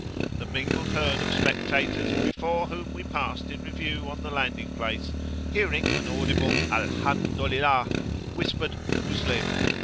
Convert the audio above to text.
The mingled herd of spectators before whom we passed in review on the landing place, hearing an audible "Alhamdolillah"[FN#9] whispered "Muslim!"